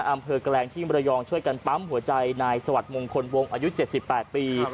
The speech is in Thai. อำเภอแกลงที่มรยองช่วยกันปั๊มหัวใจนายสวัสดิมงคลวงอายุ๗๘ปี